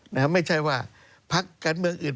ไม่ถึงให้ภักดิ์ในปริศนีรัฐกันเมืองอื่น